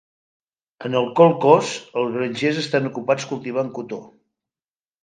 En el kolkhoz, els grangers estan ocupats cultivant cotó.